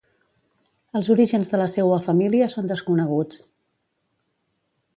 Els orígens de la seua família són desconeguts.